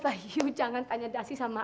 papa jangan tanya dasi sama ai